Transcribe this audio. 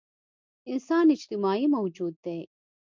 انسان اجتماعي موجود دی.